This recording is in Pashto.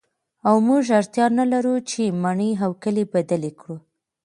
او موږ اړتیا نلرو چې مڼې او کیلې بدلې کړو